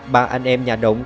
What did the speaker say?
bà anh em nhà động